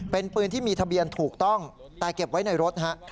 เป็นปืนที่มีทะเบียนถูกต้องแต่เก็บไว้ในรถฮะ